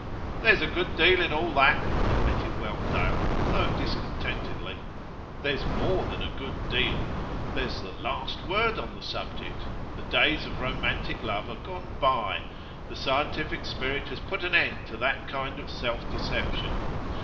'There's a good deal in all that,' admitted Whelpdale, though discontentedly. 'There's more than a good deal; there's the last word on the subject. The days of romantic love are gone by. The scientific spirit has put an end to that kind of self deception.